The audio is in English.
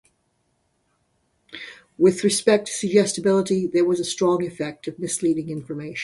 With respect to suggestibility, there was a strong effect of misleading information.